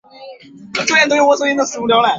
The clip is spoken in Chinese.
厚毛节肢蕨为水龙骨科节肢蕨属下的一个种。